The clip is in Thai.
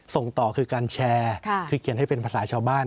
ส่งต่อคือการแชร์ที่เขียนให้เป็นภาษาชาวบ้าน